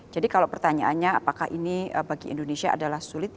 jadi kalau pertanyaannya apakah ini bagi indonesia adalah sulit